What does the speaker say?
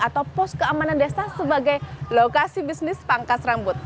atau pos keamanan desa sebagai lokasi bisnis pangkas rambut